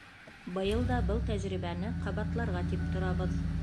Быйыл да был тәжрибәне ҡабатларға тип торабыҙ.